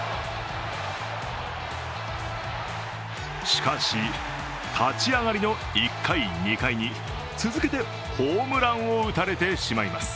しかし、立ち上がりの１回、２回に続けてホームランを打たれてしまいます。